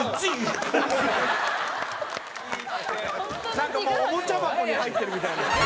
なんかもうおもちゃ箱に入ってるみたい。